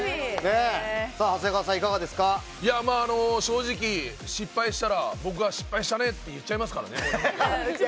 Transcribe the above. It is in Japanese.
長正直、失敗したら僕は失敗したねって言っちゃいますからね。